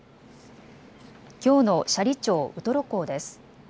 きょうの斜里町ウトロ港です。